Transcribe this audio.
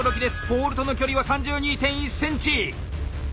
ポールとの距離は３２．１ｃｍ。